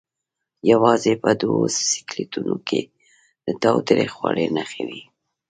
یوازې په دوو سکلیټونو کې د تاوتریخوالي نښې وې.